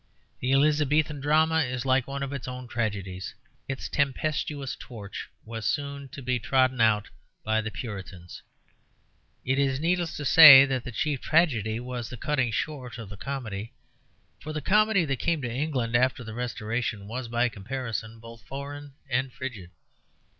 The Elizabethan drama is like one of its own tragedies its tempestuous torch was soon to be trodden out by the Puritans. It is needless to say that the chief tragedy was the cutting short of the comedy; for the comedy that came to England after the Restoration was by comparison both foreign and frigid.